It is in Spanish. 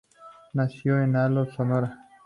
Nació en Álamos, Sonora.